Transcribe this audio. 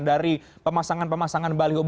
dari pemasangan pemasangan baliho